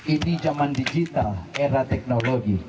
ini zaman digital era teknologi